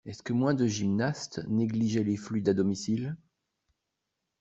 Est-ce que moins de gymnastes négligeaient les fluides à domicile?